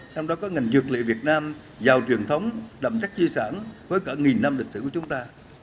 trong đó có ngành dược liệu việt nam giàu truyền thống đậm chắc di sản với cả nghìn năm lịch sử của chúng ta